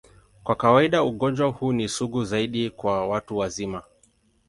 Kwa kawaida, ugonjwa huu ni sugu zaidi kwa watu wazima.